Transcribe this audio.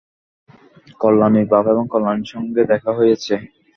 কল্যাণীর বাপ এবং কল্যাণীর সঙ্গে দেখা হইয়াছে।